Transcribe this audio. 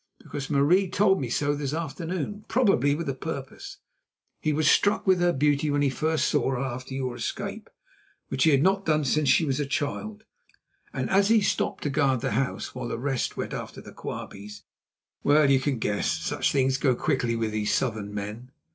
"Because Marais told me so this afternoon, probably with a purpose. He was struck with her beauty when he first saw her after your escape, which he had not done since she was a child, and as he stopped to guard the house while the rest went after the Quabies—well, you can guess. Such things go quickly with these Southern men."